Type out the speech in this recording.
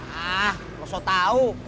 ah lo sok tau